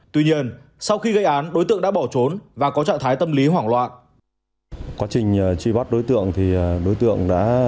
tuy nhiên sau khi gây án đối tượng đã bỏ trốn và có trạng thái tâm lý hoảng loạn